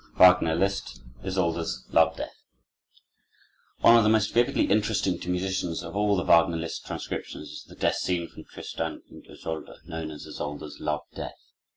Wagner Liszt: Isolde's Love Death One of the most vividly interesting, to musicians, of all the Wagner Liszt transcriptions, is the death scene from "Tristan und Isolde," known as "Isolde's Love Death."